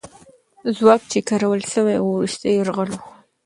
ځواک چې کارول سوی وو، وروستی یرغل وو.